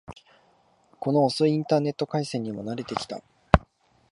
この遅いインターネット回線にも慣れてきた